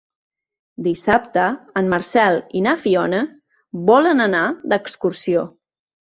Dissabte en Marcel i na Fiona volen anar d'excursió.